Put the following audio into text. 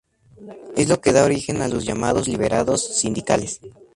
Es lo que da origen a los llamados liberados sindicales.